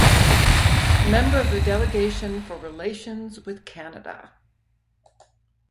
Member of the Delegation for relations with Canada.